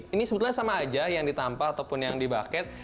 ini sebetulnya sama aja yang ditampal ataupun yang di buket